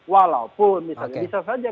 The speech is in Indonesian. walaupun bisa saja